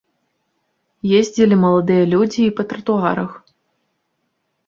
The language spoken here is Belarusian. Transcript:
Ездзілі маладыя людзі і па тратуарах.